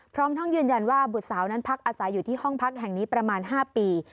พร้อมทั้งยืนยันว่าบุตรสาวนั้นพักอาศัยอยู่ที่ห้องพักแห่งนี้ประมาณ๕ปี